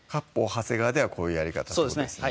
長谷川ではこういうやり方ってことですね